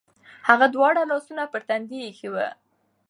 هغه دواړه لاسونه پر تندي ایښي و.